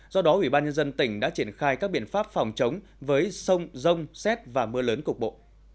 do đó ủy ban nhân dân tỉnh đã triển khai các biện pháp phòng chống với sông rông xét và mưa lớn cục bộ